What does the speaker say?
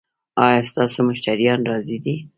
ایا ستاسو مشتریان راضي دي؟